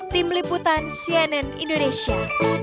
tim liputan cnn indonesia